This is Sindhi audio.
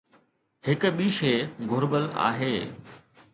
هڪ ٻي شيءِ گهربل آهي.